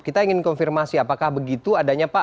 kita ingin konfirmasi apakah begitu adanya pak